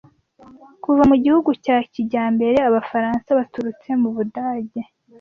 Kuva mu gihugu cya kijyambere Abafaransa baturutse mu Budage